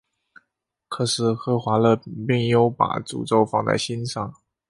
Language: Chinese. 可是赫华勒没有把诅咒放在心上。